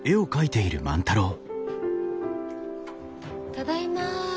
ただいま。